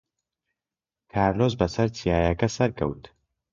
کارلۆس بەسەر چیاکە سەرکەوت.